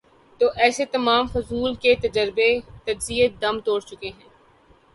تو ایسے تمام فضول کے تجزیے دم توڑ چکے ہیں۔